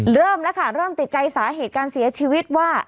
เริ่มแล้วค่ะเริ่มติดใจสาเหตุการเสียชีวิตว่า